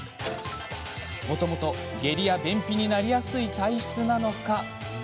もともと下痢や便秘になりやすい体質なのか。